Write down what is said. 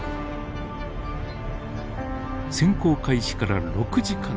潜航開始から６時間２０分。